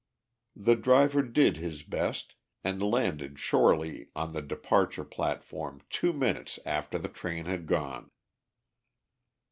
The driver did his best, and landed Shorely on the departure platform two minutes after the train had gone.